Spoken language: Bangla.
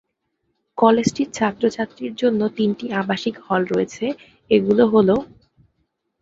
কলেজটির ছাত্র-ছাত্রীর জন্য তিনটি আবাসিক হল রয়েছে; এগুলো হলোঃ